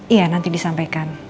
iya nanti disampaikan